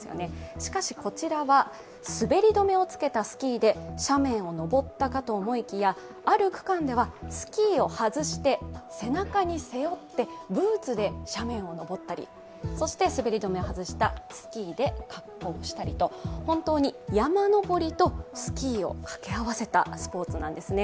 しかし、こちらは滑り止めをつけたスキーで斜面を登ったかと思いきやある区間ではスキーを外して、背中に背負ってブーツで斜面を登ったり、そして、滑り止めを外したスキーで滑降したりと本当に山登りとスキーをかけ合わせたスポーツなんですね。